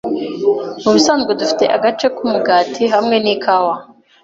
Mubisanzwe dufite agace k'umugati hamwe n'ikawa.